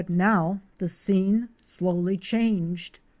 now the scene slowly changed.